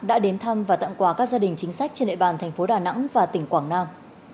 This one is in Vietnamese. đã đến thăm và tặng quà các gia đình chính sách trên địa bàn thành phố đà nẵng và tỉnh quảng nam